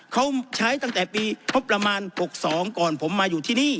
เขาใช้ตั้งแต่ปีงบประมาณ๖๒ก่อนผมมาอยู่ที่นี่